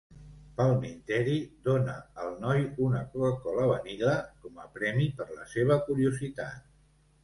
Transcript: Palminteri dona al noi una Coca-Cola Vanilla com a premi per la seva curiositat.